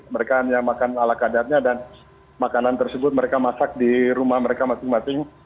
mereka hanya makan ala kadarnya dan makanan tersebut mereka masak di rumah mereka masing masing